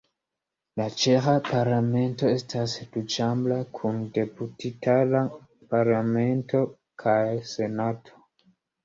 La ĉeĥa Parlamento estas duĉambra, kun Deputitara Parlamento kaj Senato.